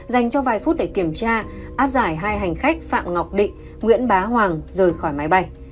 dành cho vài phút để kiểm tra áp giải hai hành khách phạm ngọc định nguyễn bá hoàng rời khỏi máy bay